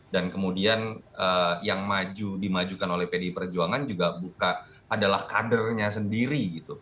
dan kemudian yang dimajukan oleh pdi perjuangan juga buka adalah kadernya sendiri